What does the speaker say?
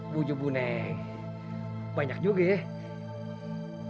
buatnya banyak juga ya